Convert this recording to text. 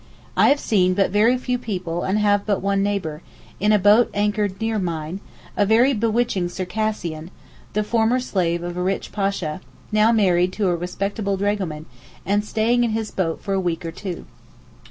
I have seen but very few people and have but one neighbour, in a boat anchored near mine, a very bewitching Circassian, the former slave of a rich Pasha, now married to a respectable dragoman, and staying in his boat for a week or two.